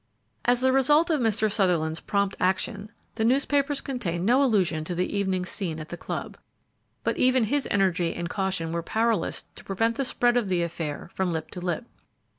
As the result of Mr. Sutherland's prompt action, the newspapers contained no allusion to that evening's scene at the club; but even his energy and caution were powerless to prevent the spread of the affair from lip to lip.